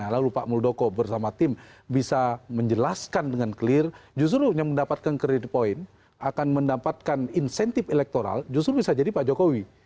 lalu pak muldoko bersama tim bisa menjelaskan dengan clear justru yang mendapatkan kredit point akan mendapatkan insentif elektoral justru bisa jadi pak jokowi